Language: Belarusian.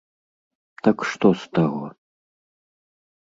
Так што з таго?